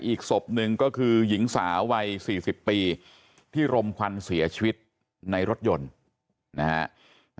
อีกศพหนึ่งก็คือหญิงสาววัย๔๐ปีที่รมควันเสียชีวิตในรถยนต์นะฮะ